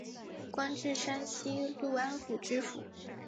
官至山西潞安府知府。